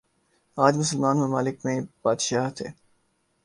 آج مسلمان ممالک میںبادشاہت ہے۔